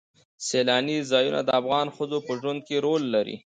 سیلاني ځایونه د افغان ښځو په ژوند کې رول لري.